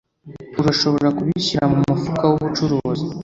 Urashobora kubishyira mumufuka wubucuruzi?